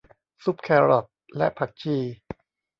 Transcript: ซุปแครอทและผักชี